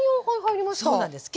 そうなんです。